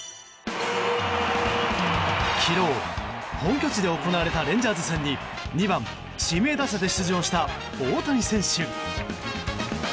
昨日、本拠地で行われたレンジャーズ戦に２番指名打者で出場した大谷選手。